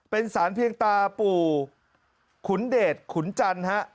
เป็นสารเพียงตาปู่ขุนเดชขุนจันทร์ฮะ